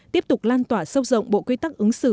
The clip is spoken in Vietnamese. tiếp tục lan tỏa sâu rộng bộ quy tắc ứng xử